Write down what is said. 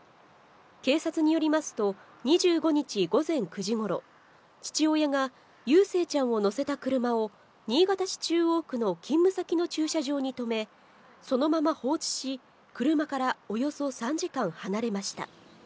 警察によりますと、２５日午前９時ごろ、父親が祐誠ちゃんを乗せた車を、新潟市中央区の勤務先の駐車場に止め、そのまま放置し、車からおよそ３時間離れました。